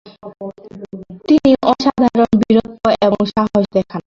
তিনি অসাধারণ বীরত্ব এবং সাহস দেখান।